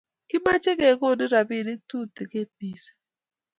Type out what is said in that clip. Kameche kukonon robinik tutegen mising